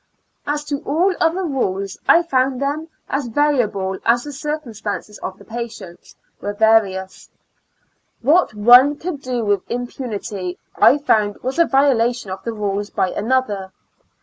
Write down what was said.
As to all other rules, I found them as variable as the circumstances of the patients were various. What one could do with impunity, I found was a violation of the rules by another.